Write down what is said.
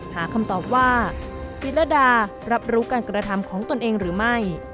หาคำตอบว่าวิรดารับรู้การกระทำของตนเองหรือไม่